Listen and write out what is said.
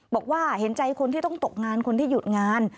บอกว่าเห็นใจคนที่ต้องตกงานคนที่หยุดงาน